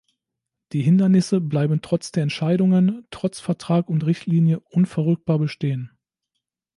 Die Hindernisse bleiben trotz der Entscheidungen, trotz Vertrag und Richtlinie unverrückbar bestehen.